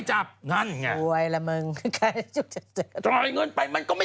จากกระแสของละครกรุเปสันนิวาสนะฮะ